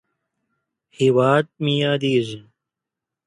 هېواد مې یادیږې!